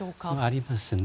ありますね。